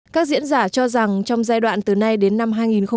các diễn giả cho rằng trong giai đoạn từ nay đến năm hai nghìn hai mươi